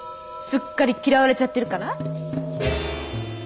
すっかり嫌われちゃってるから？